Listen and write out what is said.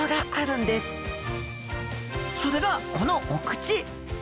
それがこのお口。